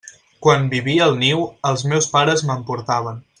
Quan vivia al niu, els meus pares me'n portaven.